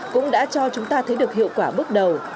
cũng đã cho chúng ta thấy được hiệu quả bước đầu